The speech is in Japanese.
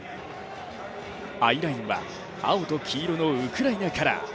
アイラインは青と黄色のウクライナカラー。